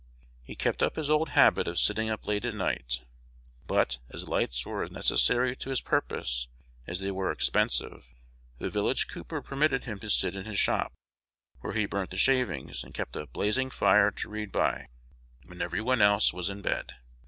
He kept up his old habit of sitting up late at night; but, as lights were as necessary to his purpose as they were expensive, the village cooper permitted him to sit in his shop, where he burnt the shavings, and kept a blazing fire to read by, when every one else was in bed.